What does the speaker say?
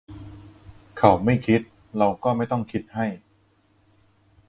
เขาไม่คิดเราก็ไม่ต้องคิดให้